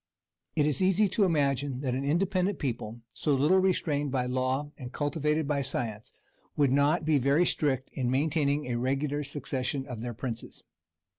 It is easy to imagine that an independent people, so little restrained by law and cultivated by science, would not be very strict in maintaining a regular succession of their princes.